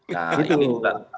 nah ini juga